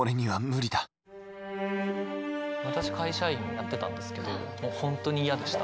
私会社員やってたんですけどもう本当に嫌でした。